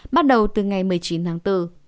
bắt đầu từ ngày một mươi chín tháng bốn